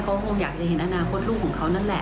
เขาคงอยากจะเห็นอนาคตลูกของเขานั่นแหละ